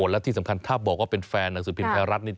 และที่สำคัญถ้าบอกว่าเป็นแฟนหนังสือพิมพ์ไทยรัฐนี่